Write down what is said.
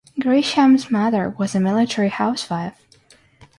Grisham's mother was a military housewife.